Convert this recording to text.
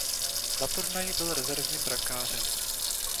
Na turnaji byl rezervním brankářem.